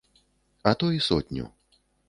А то і сотню.